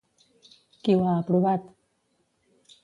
Qui ho ha aprovat?